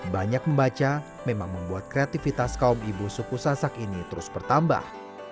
banyak membaca memang membuat kreativitas kaum ibu suku sasak ini terus bertambah